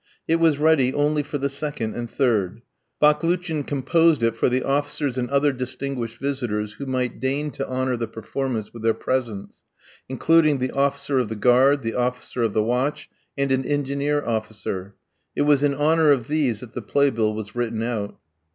It was ready only for the second and third. Baklouchin composed it for the officers and other distinguished visitors who might deign to honour the performance with their presence, including the officer of the guard, the officer of the watch, and an Engineer officer. It was in honour of these that the playbill was written out.